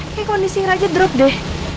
oke kondisi raja drop deh